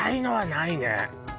ないね。